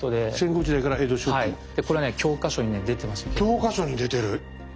教科書に出てる。